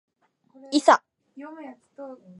いさ